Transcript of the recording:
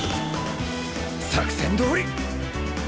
作戦どおり！